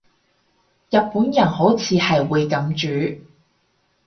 日本人好似係會噉煮